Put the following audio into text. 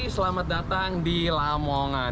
selamat datang di lamongan